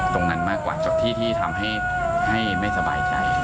ตรงนั้นมากกว่าที่ที่ทำให้ให้ไม่สบายใจ